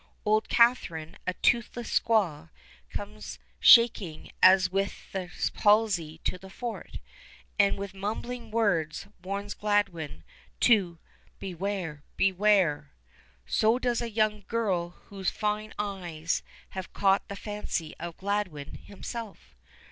Old Catherine, a toothless squaw, comes shaking as with the palsy to the fort, and with mumbling words warns Gladwin to "Beware, beware!" So does a young girl whose fine eyes have caught the fancy of Gladwin himself.